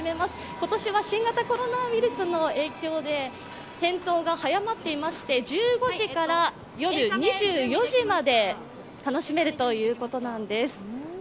今年は新型コロナウイルスの影響で点灯が早まっていまして１５時から夜２４時まで楽しめるということなんです。